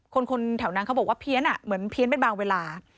คนแถวนั้นเขาบอกว่าเพี้ยนเหมือนเพี้ยนเป็นบางเวลา